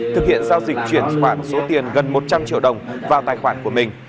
thực hiện giao dịch chuyển khoản số tiền gần một trăm linh triệu đồng vào tài khoản của mình